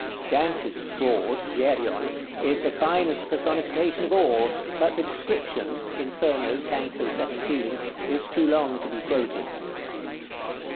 Dante's Fraud, Geryon, is the finest personification of all, but the description (Inferno, canto XVII.) is too long to be quoted.